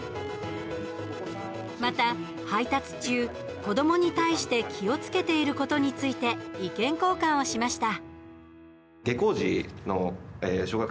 また、配達中、子どもに対して気をつけていることについて意見交換をしました。